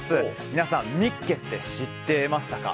皆さん、「ミッケ！」って知ってましたか？